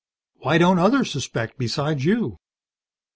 Why don't others suspect, besides you?"